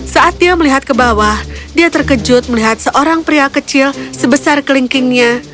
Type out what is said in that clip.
saat dia melihat ke bawah dia terkejut melihat seorang pria kecil sebesar kelingkingnya